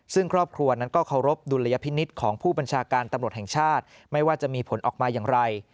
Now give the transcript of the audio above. ซึ่งครอบครัวนั้นก็เคารพดุลยพินิษฐ์ของผู้บัญชาการตำรวจแห่งชาติไม่ว่าจะมีผลออกมาอย่างไร